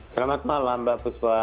selamat malam mbak fuswa